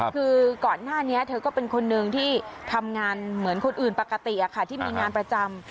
คือก่อนหน้านี้เธอก็เป็นคนนึงที่ทำงานเหมือนคนอื่นปกติที่มีงานประจำ